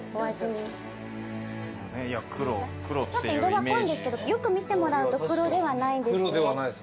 ちょっと色が濃いんですけどよく見てもらうと黒ではないですね。